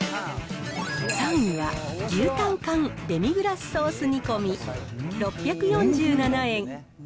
３位は牛たん缶デミグラスソース煮込み６４７円。